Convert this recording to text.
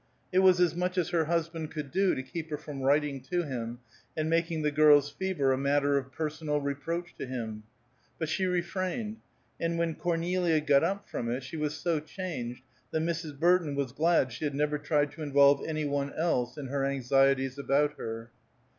It was as much as her husband could do to keep her from writing to him, and making the girl's fever a matter of personal reproach to him; but she refrained, and when Cornelia got up from it she was so changed that Mrs. Burton was glad she had never tried to involve any one else in her anxieties about her.